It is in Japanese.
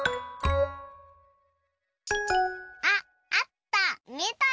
あっあった！